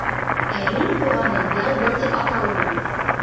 -Ә һин, туғаным, Ялбыр тип ата уны.